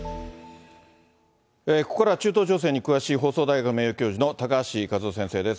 ここからは中東情勢に詳しい放送大学名誉教授の高橋和夫先生です。